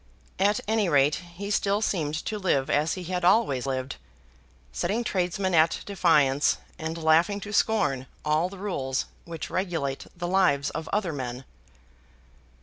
At any rate he still seemed to live as he had always lived, setting tradesmen at defiance, and laughing to scorn all the rules which regulate the lives of other men.